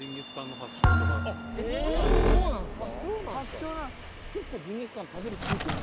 発祥なんですか？